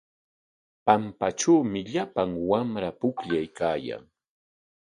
Pampatrawmi llapan wamra pukllaykaayan.